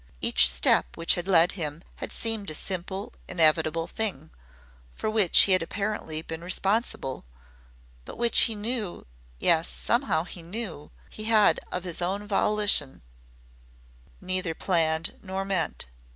Each step which had led him had seemed a simple, inevitable thing, for which he had apparently been responsible, but which he knew yes, somehow he KNEW he had of his own volition neither planned nor meant.